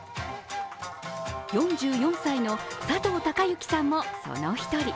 ４４歳の佐藤耕之さんもその一人。